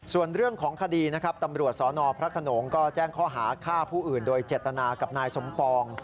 ส่วนเรื่องของคดีนะครับตำรวจสนพระขนงก็แจ้งข้อหาฆ่าผู้อื่นโดยเจตนากับนายสมปอง